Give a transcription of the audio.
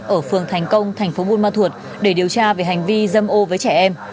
ở phường thành công tp cà mau để điều tra về hành vi dâm ô với trẻ em